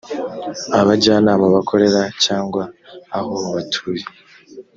abajyanama bakorera cyangwa aho batuye